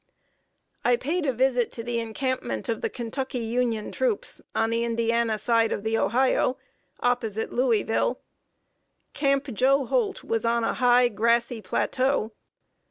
] I paid a visit to the encampment of the Kentucky Union troops, on the Indiana side of the Ohio, opposite Louisville. "Camp Joe Holt" was on a high, grassy plateau.